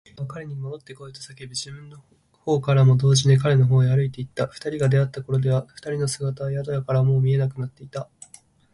Ｋ は彼にもどってこいと叫び、自分のほうからも同時に彼のほうへ歩いていった。二人が出会ったところでは、二人の姿は宿屋からはもう見えなくなっていた。